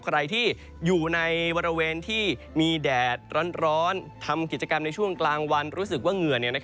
ใครที่อยู่ในบริเวณที่มีแดดร้อนทำกิจกรรมในช่วงกลางวันรู้สึกว่าเหงื่อ